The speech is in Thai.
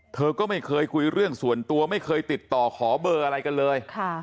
เธอก็ไม่เคยคุยเรื่องส่วนตัวไม่เคยติดต่อขอเบอร์อะไรกันเลย